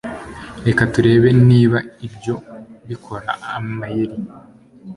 Reka turebe niba ibyo bikora amayeri